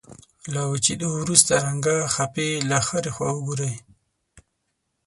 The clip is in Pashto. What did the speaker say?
له وچېدو وروسته رنګه خپې له هرې خوا وګورئ.